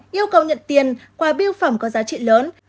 yêu cầu nhận tiền quà biêu phẩm có giá trị lớn